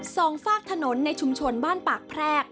สองฝากถนนในชุมชนบ้านปากแพรก